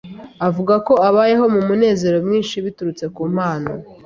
avuga ko abayeho mu munezero mwinshi biturutse ku mpano